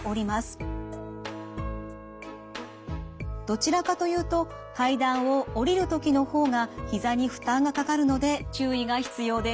どちらかというと階段を下りるときのほうがひざに負担がかかるので注意が必要です。